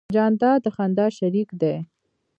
جانداد د خندا شریک دی.